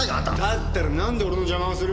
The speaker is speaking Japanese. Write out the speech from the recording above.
だったら何で俺の邪魔をする？